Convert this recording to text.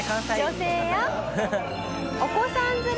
女性やお子さん連れ。